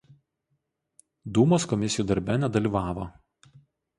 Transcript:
Dūmos komisijų darbe nedalyvavo.